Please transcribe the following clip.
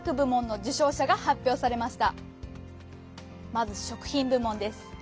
まず「食品部門」です。